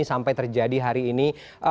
sampai terjadi hari ini